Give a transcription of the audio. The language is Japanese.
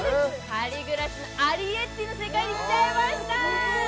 「借りぐらしのアリエッティ」の世界に来ちゃいました！